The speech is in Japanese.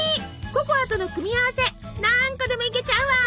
ココアとの組み合わせ何個でもいけちゃうわ！